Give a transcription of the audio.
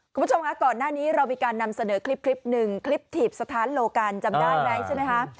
คุณผู้ชมคะก่อนหน้านี้เรามีการนำเสนอคลิปหนึ่งคลิปถีบสถานโลกันจำได้ไหมใช่ไหมคะ